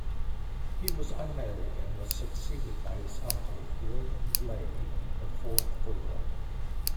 He was unmarried and was succeeded by his uncle, William Ley, the fourth Earl.